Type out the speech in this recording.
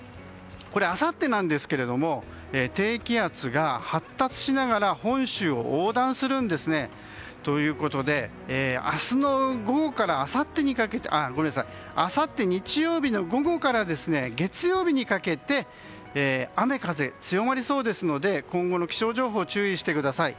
あさってなんですけど低気圧が発達しながら本州を横断するんですね。ということであさって日曜日の午後から月曜日にかけて雨風強まりそうですので今後の気象情報注意してください。